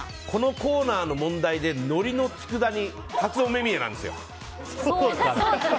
このコーナーの問題でのりのつくだ煮初お目見えなんですよ。